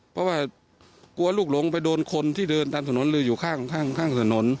เพราะว่ากลัวลูกหลงไปโดนคนที่เดินตามถนนหรืออยู่ข้างข้างถนน